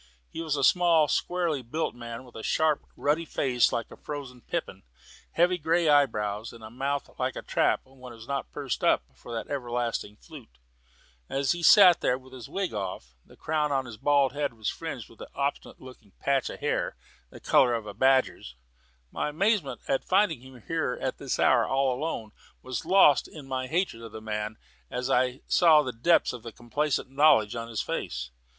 He was a small, squarely built man, with a sharp ruddy face like a frozen pippin, heavy grey eyebrows, and a mouth like a trap when it was not pursed up for that everlasting flute. As he sat there with his wig off, the crown of his bald head was fringed with an obstinate looking patch of hair, the colour of a badger's. My amazement at finding him here at this hour, and alone, was lost in my hatred of the man as I saw the depths of complacent knowledge in his face.